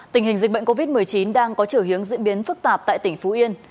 tình hình dịch bệnh covid một mươi chín đang có trở hướng diễn biến phức tạp tại tỉnh phú yên